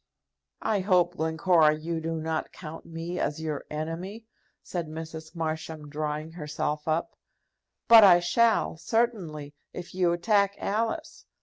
"I hope, Glencora, you do not count me as your enemy?" said Mrs. Marsham, drawing herself up. "But I shall, certainly, if you attack Alice.